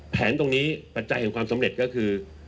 แผนตรงนี้ปัจจัยแห่งความสำเร็จก็คือ